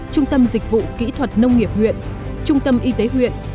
trung tâm dịch vụ kỹ thuật nông nghiệp huyện trung tâm y tế huyện